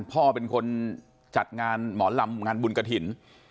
พ่อเป็นคนจัดงานหมอลำงานบุญกระถิ่น